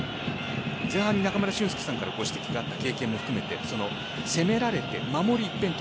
前半に中村俊輔さんからご指摘があった経験も含めて攻められて、守り一辺倒。